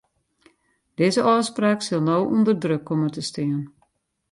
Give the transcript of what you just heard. Dizze ôfspraak sil no ûnder druk komme te stean.